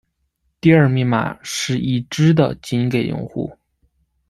第二密码是已知的仅给用户。